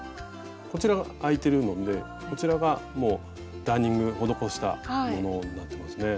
こちらがあいてるのでこちらがダーニング施したものになってますね。